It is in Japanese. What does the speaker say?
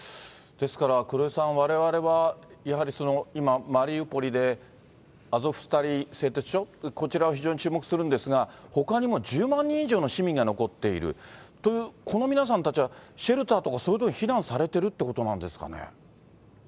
ですから、黒井さん、われわれはやはり今、マリウポリでアゾフスタリ製鉄所、こちらを非常に注目するんですが、ほかにも１０万人以上の市民が残っているという、この皆さんたちは、シェルターとか、そういう所に避難されているということなんですかね。